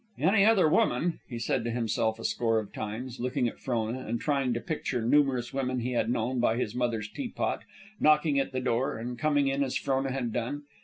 "Any other woman " he said to himself a score of times, looking at Frona and trying to picture numerous women he had known by his mother's teapot, knocking at the door and coming in as Frona had done.